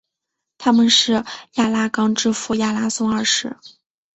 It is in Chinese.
他们是亚拉冈之父亚拉松二世。